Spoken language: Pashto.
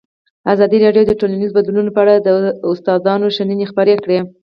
ازادي راډیو د ټولنیز بدلون په اړه د استادانو شننې خپرې کړي.